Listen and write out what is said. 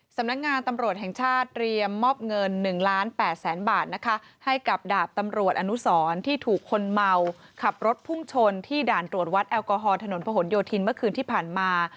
สำนักงานตำรวจแห่งชาติเรียมมอบเงิน๑ล้าน๘แสนบาทนะคะให้กับดาบตำรวจอนุสรที่ถูกคนเมาขับรถพุ่งชนที่ด่านตรวจวัดแอลกอฮอลถนนพระหลโยธินเมื่อคืนที่ผ่านมา